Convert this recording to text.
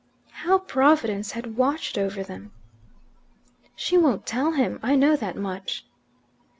How Providence had watched over them! "She won't tell him. I know that much."